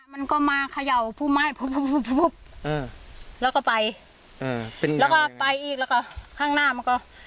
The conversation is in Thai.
มันก็มาเขย่าผู้ไม้แล้วก็ไปอืมแล้วก็ไปอีกแล้วก็ข้างหน้ามันก็